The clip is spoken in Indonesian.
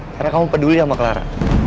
karena kamu peduli sama clara